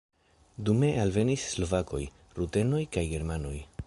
Dume alvenis slovakoj, rutenoj kaj germanoj.